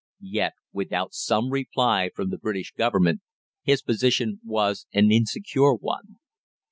Yet, without some reply from the British Government, his position was an insecure one.